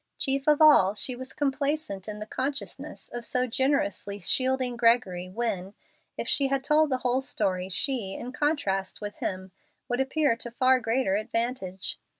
Chief of all she was complacent in the consciousness of so generously shielding Gregory when, if she had told the whole story, she, in contrast with him, would appear to far greater advantage.